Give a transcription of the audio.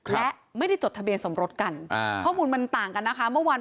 และไม่ได้จดทะเบียนสมรสกันข้อมูลมันต่างกันนะคะเมื่อวาน